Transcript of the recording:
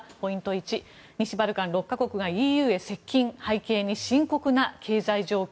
１西バルカン６か国がＥＵに接近背景に深刻な経済状況。